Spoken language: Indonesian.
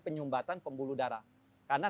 penyumbatan pembuluh darah karena